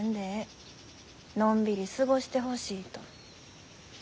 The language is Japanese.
のんびり過ごしてほしいと。